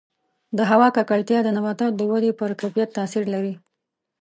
د هوا ککړتیا د نباتاتو د ودې پر کیفیت تاثیر لري.